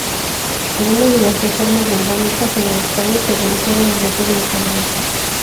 Algunas de las Reformas borbónicas en Nueva España se realizaron en materia económica.